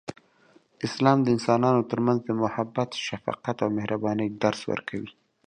اسلام د انسانانو ترمنځ د محبت، شفقت، او مهربانۍ درس ورکوي.